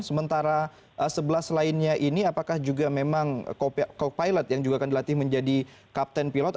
sementara sebelas lainnya ini apakah juga memang co pilot yang juga akan dilatih menjadi kapten pilot